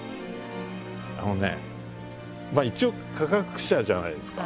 あのねまあ一応科学者じゃないですか。